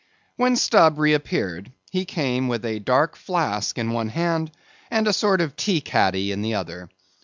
When Stubb reappeared, he came with a dark flask in one hand, and a sort of tea caddy in the other.